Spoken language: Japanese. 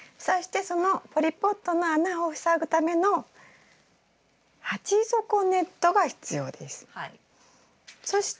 そしてそのポリポットの穴を塞ぐための鉢底ネットが必要です。